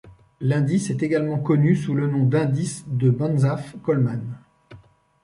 L'indice est également connu sous le nom d’indice de Banzhaf-Coleman.